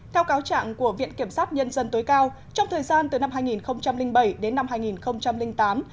theo cáo trạng của viện kiểm sát nhân dân tối cao trong thời gian từ năm hai nghìn bảy đến năm hai nghìn tám